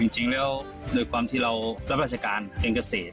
จริงแล้วโดยความที่เรารับราชการเองเกษตร